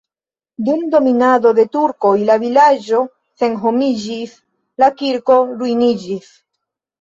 Dum dominado de turkoj la vilaĝo senhomiĝis, la kirko ruiniĝis.